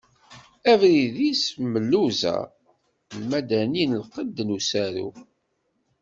Abrid-is Mluza, Lmadani lqedd n usaru.